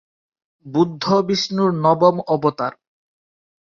বুদ্ধ বিষ্ণুর নবম অবতার।